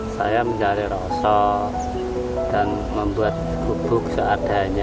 saya mencari rosok dan membuat gubuk seadanya